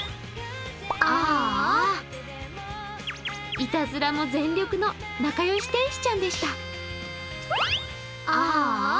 いたずらも全力の仲よし天使ちゃんでした。